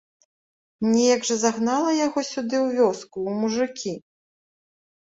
Неяк жа загнала яго сюды ў вёску, у мужыкі?!